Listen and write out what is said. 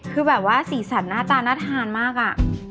คือแบบว่าสีสันหน้าตาน่าทานมากอะ